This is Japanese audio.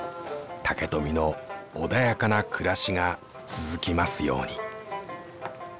竹富の穏やかな暮らしが続きますように。